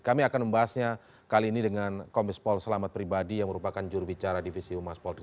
kami akan membahasnya kali ini dengan komis pol selamat pribadi yang merupakan jurubicara divisi umas polri